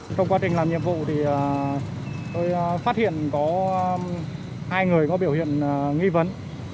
trong quá trình làm nhiệm vụ thì tôi phát hiện có hai người có biểu hiện nghi vấn